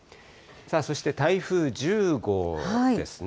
そして台風１０号ですね。